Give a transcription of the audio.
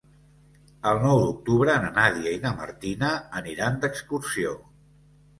El nou d'octubre na Nàdia i na Martina aniran d'excursió.